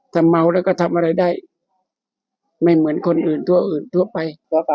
ถ้าเมาล่ะก็ทำอะไรได้ไม่เหมือนคนอื่นทั่วไป